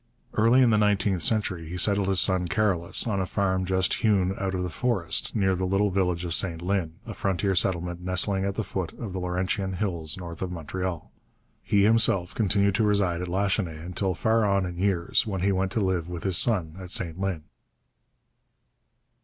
Early in the nineteenth century he settled his son Carolus on a farm just hewn out of the forest, near the little village of St Lin, a frontier settlement nestling at the foot of the Laurentian hills north of Montreal. He himself continued to reside at Lachenaie until far on in years, when he went to live with his son at St Lin.